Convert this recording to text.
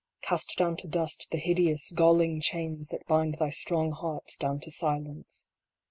Cast down to dust the hideous, galling chains that bind thy strong hearts down to silence